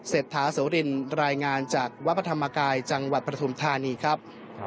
เศรษฐาโสรินรายงานจากวัดพระธรรมกายจังหวัดปฐุมธานีครับ